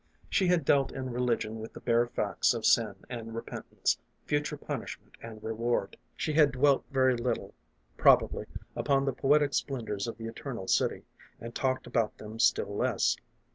She had dealt in religion with the bare facts of sin and repent ance, future punishment and reward. She had dwelt very little, probably, upon the poetic splendors of the Eternal City, and talked about them still less.